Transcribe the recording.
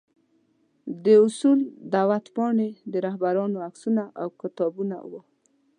د اصول دعوت پاڼې، د رهبرانو عکسونه او کتابونه وو.